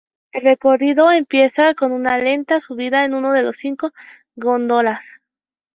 El recorrido comienza con una lenta subida en una de sus cinco góndolas.